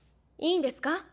いいんですか？